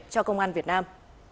cho công an việt nam